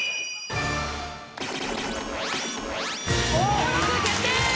登録決定！